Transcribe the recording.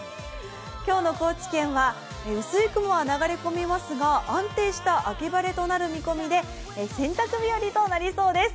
今日の高知県は薄い雲は流れ込みますが、安定した秋晴れとなる見込みで洗濯日和となりそうです。